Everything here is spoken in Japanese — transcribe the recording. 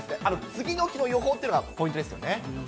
次の日の予報っていうのがポイントですよね。